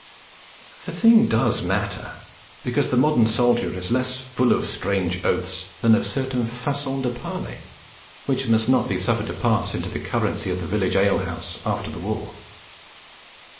The thing does matter, because the modern soldier is less 'full of strange oaths' than of certain façons de parler which must not be suffered to pass into the currency of the village ale house after the war.